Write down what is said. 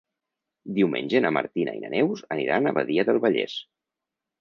Diumenge na Martina i na Neus aniran a Badia del Vallès.